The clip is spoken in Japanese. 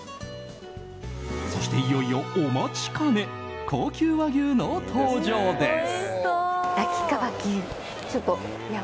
そして、いよいよお待ちかね高級和牛の登場です。